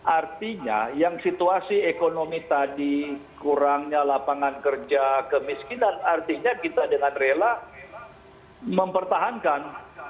artinya yang situasi ekonomi tadi kurangnya lapangan kerja kemiskinan artinya kita dengan rela mempertahankan